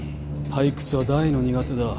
退屈は大の苦手だ。